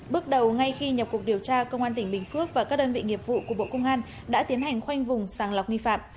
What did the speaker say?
bước đầu ngay khi nhập cuộc điều tra công an tỉnh bình phước và các đơn vị nghiệp vụ của bộ công an đã tiến hành khoanh vùng sàng lọc nghi phạm